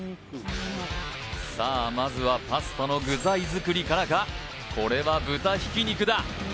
さあまずはパスタの具材づくりからかこれは豚ひき肉だ